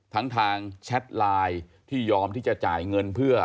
ทั้งทางแชทไลน์ที่ยอมที่จะจ่ายเงินเพื่อ